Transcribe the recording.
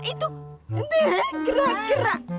nanti gerak gerak